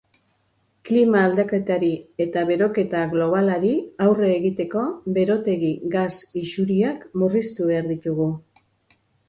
Klima aldaketari eta beroketa globalari aurre egiteko berotegi gas isuriak murriztu behar ditugu.